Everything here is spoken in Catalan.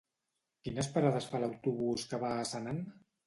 Quines parades fa l'autobús que va a Senan?